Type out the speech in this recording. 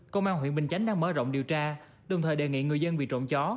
công an huyện bình chánh đang mở rộng điều tra đồng thời đề nghị người dân bị trộm chó